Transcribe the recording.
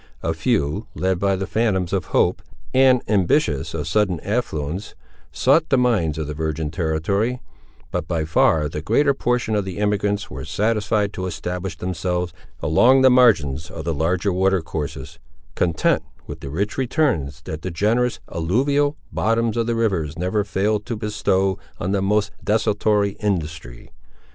A few, led by the phantoms of hope, and ambitious of sudden affluence, sought the mines of the virgin territory; but by far the greater portion of the emigrants were satisfied to establish themselves along the margins of the larger water courses, content with the rich returns that the generous, alluvial, bottoms of the rivers never fail to bestow on the most desultory industry.